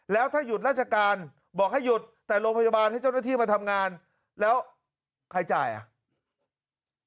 แล้วถ้าหยุดราชการบอกให้หยุดแต่โรงพยาบาลให้เจ้าหน้าที่มาทำงานแล้วใครจ่ายอ่ะ